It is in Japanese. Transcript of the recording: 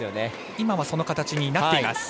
今はその形になっています。